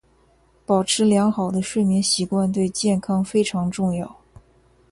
保持良好的睡眠习惯对健康非常重要。